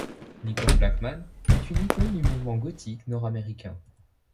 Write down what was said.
Nicole Blackman est une icône du mouvement gothique nord-américain.